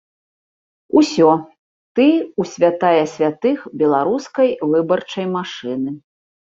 Усё, ты ў святая святых беларускай выбарчай машыны.